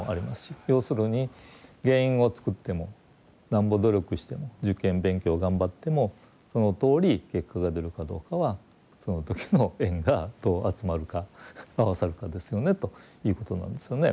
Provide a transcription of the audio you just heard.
要するに原因を作ってもなんぼ努力しても受験勉強を頑張ってもそのとおり結果が出るかどうかはその時の縁がどう集まるか合わさるかですよねということなんですよね。